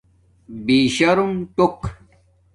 بِشرم ٹوک